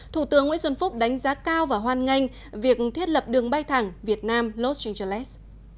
thủ tướng nguyễn xuân phúc đánh giá cao và hoan nghênh việc thiết lập đường bay thẳng việt nam los angeles